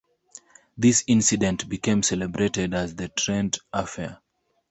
This incident became celebrated as the Trent Affair.